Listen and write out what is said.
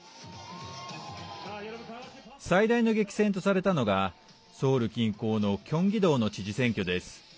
最大の激戦とされたのがソウル近郊のキョンギ道の知事選挙です。